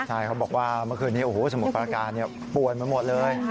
ใช่เขาบอกว่าเมื่อคืนนี้โอ้โหสมุทรประการป่วนไปหมดเลย